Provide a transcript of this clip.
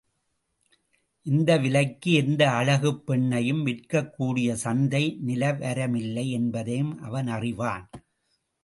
இந்த விலைக்கு எந்த அழகுப் பெண்ணையும் விற்கக்கூடிய சந்தை நிலவரமில்லை என்பதையும் அவன் அறிவான்.